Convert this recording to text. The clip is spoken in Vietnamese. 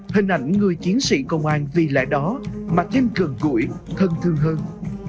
hình ảnh người chiến sĩ công an vì lại đó mà thêm cường củi thân thương hơn